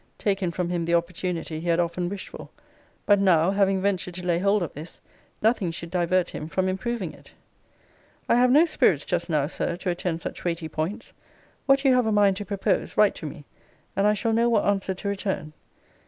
] taken from him the opportunity he had often wished for: but now, having ventured to lay hold of this, nothing should divert him from improving it. I have no spirits, just now, Sir, to attend such weighty points. What you have a mind to propose, write to me: and I shall know what answer to return.